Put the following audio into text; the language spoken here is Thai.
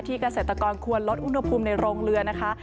เกษตรกรควรลดอุณหภูมิในโรงเรือนะคะ